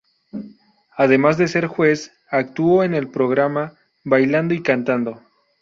Además de ser juez, actuó en el programa, bailando y cantando.